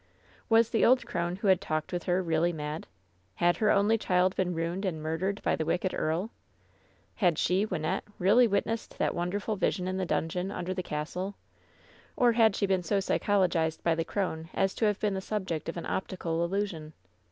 Was the old crone who had talked with her really mad ? Had her only child been ruined and murdered by the wicked earl ? Had she, Wynnette, really wit nessed that wonderful vision in the dungeon under the castle, or had she been so psychologized by the crone as to have been the subject of an optical illusion